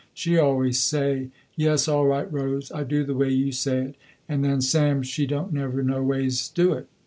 She always say, yes all right Rose, I do the way you say it, and then Sam she don't never noways do it.